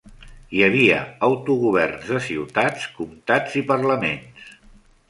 Hi havia autogoverns de ciutats, comtats i parlaments.